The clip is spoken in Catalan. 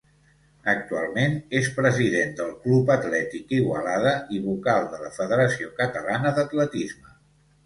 Actualment és president del Club Atlètic Igualada i vocal de la Federació Catalana d'Atletisme.